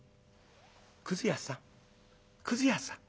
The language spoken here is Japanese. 「くず屋さんくず屋さん」。